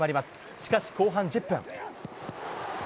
しかし、後半１０分。